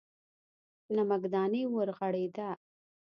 نمکدانۍ ورغړېده.